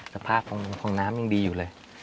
สภาพของน้ำยังดีอยู่เลย